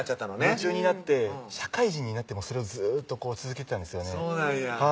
夢中になって社会人になってもそれをずっと続けてたんですよね